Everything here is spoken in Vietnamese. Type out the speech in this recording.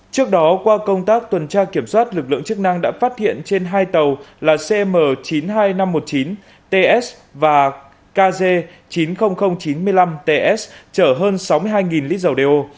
trước đó qua công tác tuần tra kiểm soát lực lượng chức năng đã phát hiện trên hai tàu là cm chín mươi hai nghìn năm trăm một mươi chín ts và kg chín mươi nghìn chín mươi năm ts chở hơn sáu mươi hai lít dầu đeo